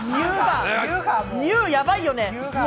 湯、やばいよね。